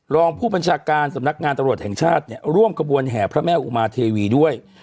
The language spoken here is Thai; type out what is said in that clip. รองผู้บัญชาการสำนักงานตำรวจแห่งชาติเนี่ยร่วมกระบวนแห่พระแม่อุมาเทวีด้วย